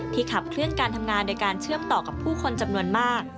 ขับเคลื่อนการทำงานโดยการเชื่อมต่อกับผู้คนจำนวนมาก